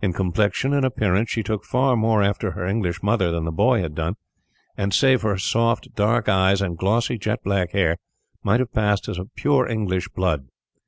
In complexion and appearance, she took far more after her English mother than the boy had done; and, save for her soft, dark eyes, and glossy, jet black hair, might have passed as of pure English blood.